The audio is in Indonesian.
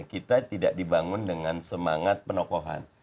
kita tidak dibangun dengan semangat penokohan